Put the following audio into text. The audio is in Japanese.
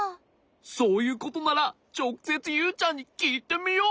そういうことならちょくせつユウちゃんにきいてみよう。